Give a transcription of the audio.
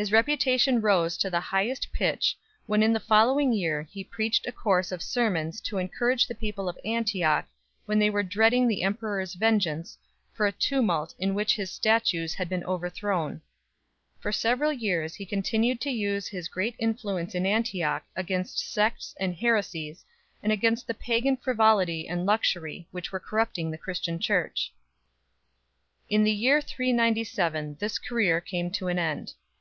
His reputation rose to the highest pitch when in the fol lowing year he preached a course of sermons to encourage the people of Antioch when they were dreading t peror s vengeance for a tumult in which his statues had ge ro ad 1 Sozomen, vm. 2. Socrates vi. 3. Theology and Theologians. 219 been overthrown. For several years he continued to use iris great Influence in Antioch against sects and heresies and against the pagan frivolity and luxury which were corrupting the Christian Church. In the year 397 this career came to an end.